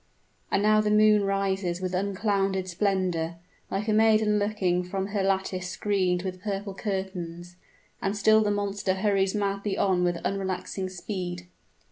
And now the moon rises with unclouded splendor, like a maiden looking from her lattice screened with purple curtains; and still the monster hurries madly on with unrelaxing speed.